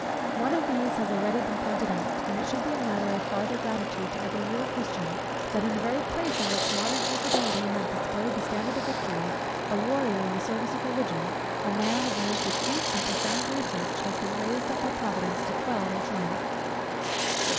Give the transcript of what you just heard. One of these has been already pointed out: and it should be matter of farther gratitude to every real Christian, that in the very place on which modern infidelity had displayed the standard of victory, a warrior in the service of Religion, a man of the most acute discernment and profound research, has been raised up by Providence to quell their triumph.